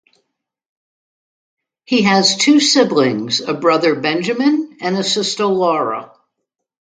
He has two siblings, a brother Benjamin and a sister, Laura.